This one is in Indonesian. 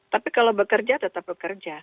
tapi kalau bekerja tetap bekerja